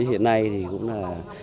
hiện nay thì cũng là